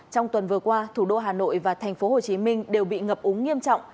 trong tuần vừa qua thủ đô hà nội và thành phố hồ chí minh đều bị ngập úng nghiêm trọng